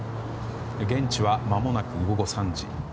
現地はまもなく午後３時。